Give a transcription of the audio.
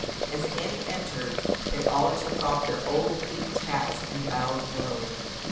As Annie entered they all took off their odd peaked hats and bowed low.